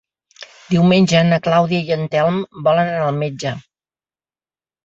Diumenge na Clàudia i en Telm volen anar al metge.